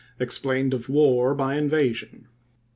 EXPLAINED OF WAR BY INVASION.